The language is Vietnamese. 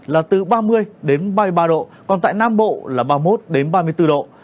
là từ ba mươi đến ba mươi ba độ còn tại nam bộ là ba mươi một ba mươi bốn độ